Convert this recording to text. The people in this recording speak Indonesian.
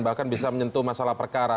bahkan bisa menyentuh masalah perkara